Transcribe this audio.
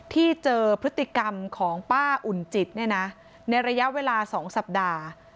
ที่เจอพฤติกรรมของป้าอุ่นจิตเนี่ยนะในระยะเวลา๒สัปดาห์